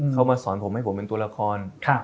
เขามาสอนผมให้ผมเป็นตัวละคร